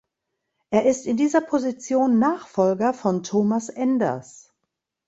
Er ist in dieser Position Nachfolger von Thomas Enders.